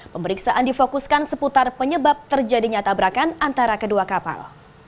pemeriksaan difokuskan seputar penyebab terjadinya tabrakan antara kedua kapal